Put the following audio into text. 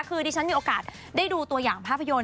คือดิฉันมีโอกาสได้ดูตัวอย่างภาพยนตร์